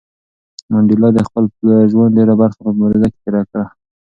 منډېلا د خپل ژوند ډېره برخه په مبارزه کې تېره کړه.